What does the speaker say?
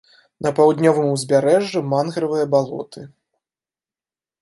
На паўднёвым узбярэжжы мангравыя балоты.